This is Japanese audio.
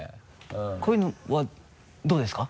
こういうのはどうですか？